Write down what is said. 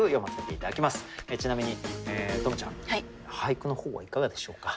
ちなみに十夢ちゃん俳句の方はいかがでしょうか。